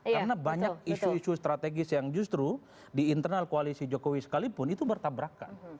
karena banyak isu isu strategis yang justru di internal koalisi jokowi sekalipun itu bertabrakan